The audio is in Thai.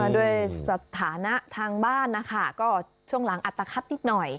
ด้วยสถานะทางบ้านนะคะก็ช่วงหลังอัตภัทนิดหน่อย